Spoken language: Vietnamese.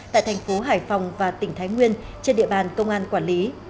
tại thành phố hải phòng và tỉnh thái nguyên trên địa bàn công an quản lý